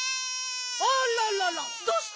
あらららどうしたの！？